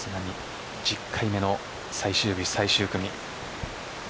１０回目の最終日最終組。